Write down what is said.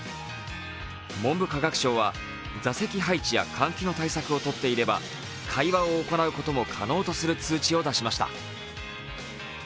文部科学省は座席や換気の対策をとっていれば会話を行うことも可能とする通知を出しました。